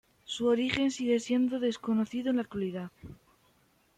Su origen sigue siendo desconocido en la actualidad.